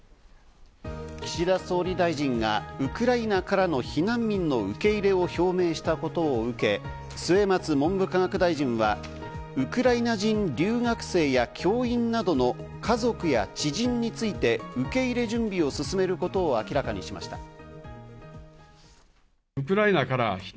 岸田総理大臣がウクライナからの避難民の受け入れを表明したことを受け、末松文部科学大臣はウクライナ人留学生や教員などの家族や知人について、受け入れ準備を進めることを明らかにしました。